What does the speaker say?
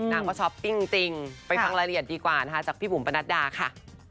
นางก็ช้อปปิ้งจริงไปฟังรายละเอียดดีกว่านะคะจากพี่บุ๋มประนัดดาค่ะ